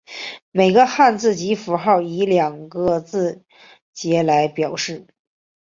每个汉字及符号以两个字节来表示。